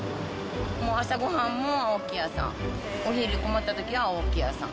もう朝ごはんも青木屋さん、お昼困ったときは青木屋さん。